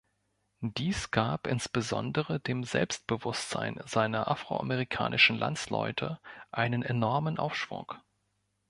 Dies gab insbesondere dem Selbstbewusstsein seiner afroamerikanischen Landsleute einen enormen Aufschwung.